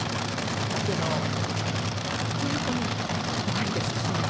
だけど本当に怖いです心臓。